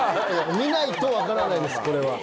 見ないと分からないんです、これは。